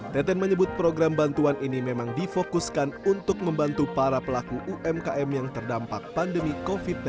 teten menyebut program bantuan ini memang difokuskan untuk membantu para pelaku umkm yang terdampak pandemi covid sembilan belas